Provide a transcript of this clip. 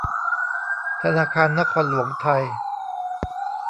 ธนาคารนครหลวงไทย